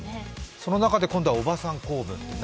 そんな中で今度はおばさん構文。